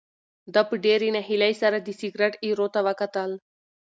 ده په ډېرې ناهیلۍ سره د سګرټ ایرو ته وکتل.